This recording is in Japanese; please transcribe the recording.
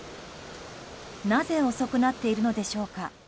なぜ遅くなっているのでしょうか。